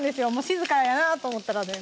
静かやなと思ったらね